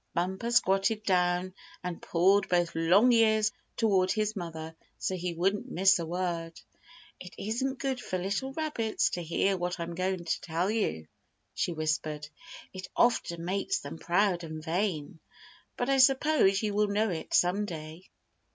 Bumper squatted down, and pulled both long ears toward his mother so he wouldn't miss a word. "It isn't good for little rabbits to hear what I'm going to tell you," she whispered. "It often makes them proud and vain; but I suppose you will know it some day."